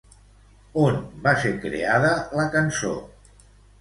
On va ser creada la cançó?